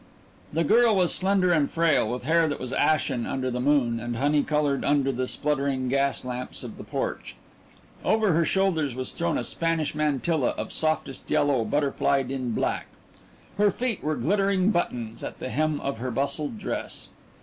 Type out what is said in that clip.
The girl was slender and frail, with hair that was ashen under the moon and honey coloured under the sputtering gas lamps of the porch. Over her shoulders was thrown a Spanish mantilla of softest yellow, butterflied in black; her feet were glittering buttons at the hem of her bustled dress.